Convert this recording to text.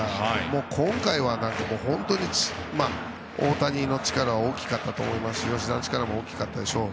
今回は大谷の力は大きかったと思いますし吉田の力も大きかったでしょう。